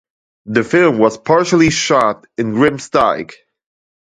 The film was partially shot in Grim's Dyke.